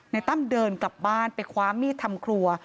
ตั้มเดินกลับบ้านไปคว้ามีดทำครัว